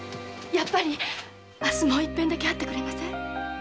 やっぱり明日もう一度だけ会ってくれません？